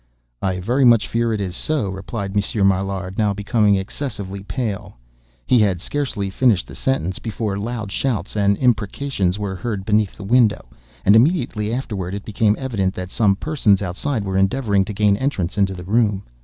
"I very much fear it is so," replied Monsieur Maillard, now becoming excessively pale. He had scarcely finished the sentence, before loud shouts and imprecations were heard beneath the windows; and, immediately afterward, it became evident that some persons outside were endeavoring to gain entrance into the room.